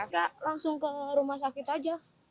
gak langsung ke rumah sakit aja